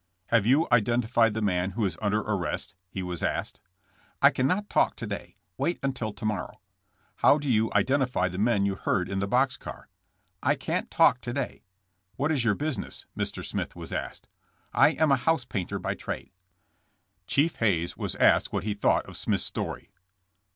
'' Have you identified the man who is under ar rest?" he was asked. *'I cannot talk to day. Wait until to morrow.'' How do you identify the men you heard in the box car." ''I can't talk today." *VWhat is your business?" Mr. Smith was asked. I am a house painter by trade." Chief Hayes was asked what he thought of Smith's story.